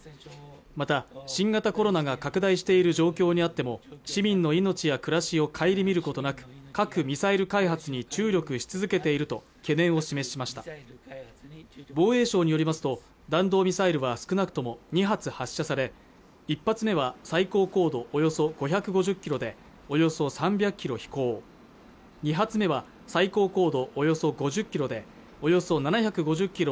また新型コロナが拡大している状況にあっても市民の命や暮らしを顧みることなく核ミサイル開発に注力し続けていると懸念を示しました防衛省によりますと弾道ミサイルは少なくとも２発発射され１発目は最高高度およそ５５０キロでおよそ３００キロ飛行２発目は最高高度およそ５０キロでおよそ７５０キロ